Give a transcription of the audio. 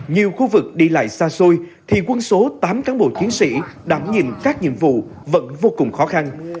nhiều khu vực đi lại xa xôi thì quân số tám cán bộ chiến sĩ đảm nhiệm các nhiệm vụ vẫn vô cùng khó khăn